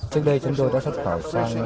trước đây chúng tôi đã xuất khẩu sang